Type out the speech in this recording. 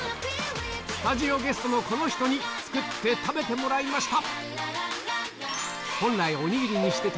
スタジオゲストのこの人に作って食べてもらいました